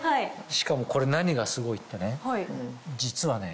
しかもこれ何がすごいってね実はね